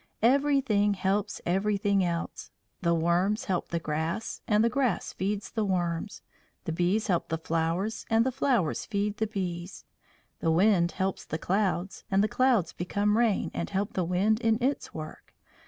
Everything helps everything else. The worms help the grass, and the grass feeds the worms; the bees help the flowers, and the flowers feed the bees; the wind helps the clouds, and the clouds become rain and help the wind in its work.